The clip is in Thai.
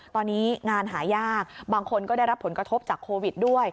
ตอนนี้งานหายากบางคนก็ได้รับผลกระทบจากโควิดด้วย